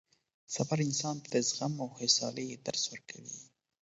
سفر انسان ته د زغم او حوصلې درس ورکوي